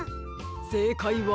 せいかいは。